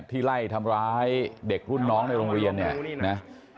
ที่ให้ทำร้ายเด็กรุ่นน้องในโรงเรียนนะ